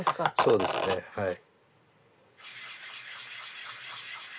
そうですねはい。